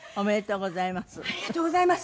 おめでとうございます。